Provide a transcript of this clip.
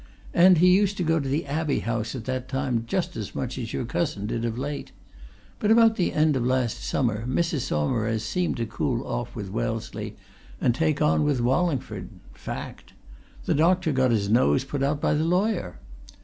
And he used to go to the Abbey House at that time just as much as your cousin did of late. But about the end of last summer Mrs. Saumarez seemed to cool off with Wellesley and take on with Wallingford fact! The doctor got his nose put out by the lawyer!